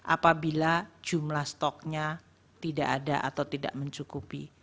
apabila jumlah stoknya tidak ada atau tidak mencukupi